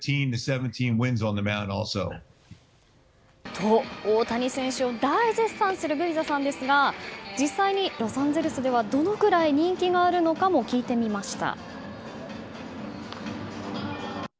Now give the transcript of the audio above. と、大谷選手を大絶賛するグビザさんですが実際にロサンゼルスではどのくらい人気があるのかも聞いてみました。